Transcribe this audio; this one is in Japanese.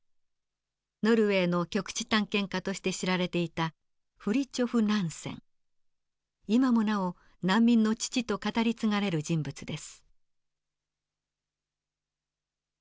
ノルウェーの極地探検家として知られていた今もなお難民の父と語り継がれる人物です。